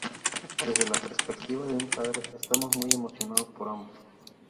Desde la perspectiva de un padre, estamos muy emocionados por ambos.